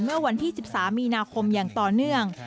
เมื่อวันที่๑๓มีนาคมอย่างต่อเนื่อง